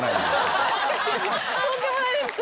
とんでもないです！